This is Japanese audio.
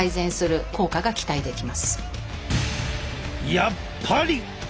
やっぱり！